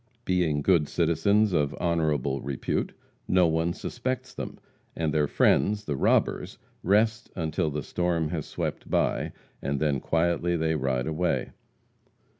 Being good citizens of honorable repute, no one suspects them, and their friends, the robbers, rest until the storm has swept by, and then quietly they ride away.